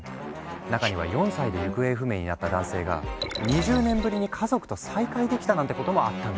中には４歳で行方不明になった男性が２０年ぶりに家族と再会できたなんてこともあったんです。